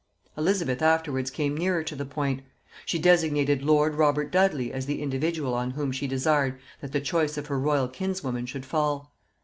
Elizabeth afterwards came nearer to the point; she designated lord Robert Dudley as the individual on whom she desired that the choice of her royal kinswoman should fall.